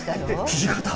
土方。